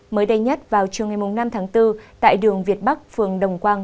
mới đây nhất vào chiều ngày năm tháng bốn tại đường việt bắc phường đồng quang